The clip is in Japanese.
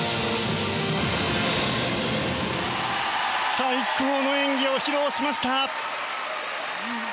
最高の演技を披露しました！